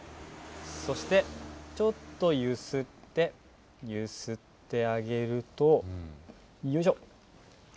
そして、ちょっとゆすって、ゆすってあげると、よいしょ。